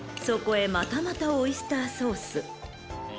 ［そこへまたまたオイスターソース］